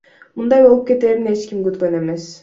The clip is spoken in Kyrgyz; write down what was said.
Мындай болуп кетээрин эч ким күткөн эмес.